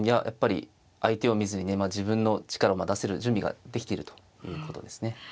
やっぱり相手を見ずにねまあ自分の力を出せる準備ができているということですね。